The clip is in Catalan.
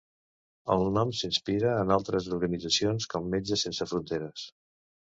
El nom s'inspira en el d'altres organitzacions com Metges Sense Fronteres.